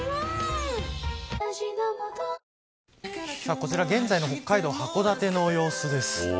こちら現在の北海道函館の様子です。